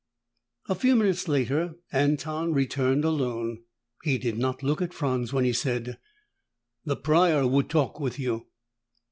A few minutes later, Anton returned alone. He did not look at Franz when he said, "The Prior would talk with you."